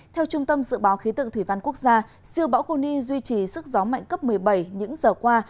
theo trung tâm dự báo khí tượng thủy văn quốc gia siêu bão goni duy trì sức gió mạnh cấp một mươi bảy những giờ qua